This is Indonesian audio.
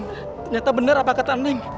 ternyata bener apa kata neng